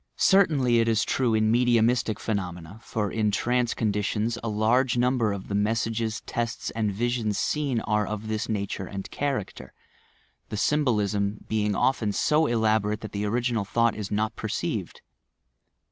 Certainly it is true in medium istic phenomena, for in trance conditions a large number of the messages, tests and visions seen, are of this nature and character— the symbolism being often so elaborate that the original thought is not perceived.